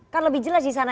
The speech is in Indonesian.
kan lebih jelas di sana